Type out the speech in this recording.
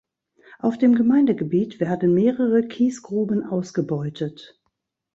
Auf dem Gemeindegebiet werden mehrere Kiesgruben ausgebeutet.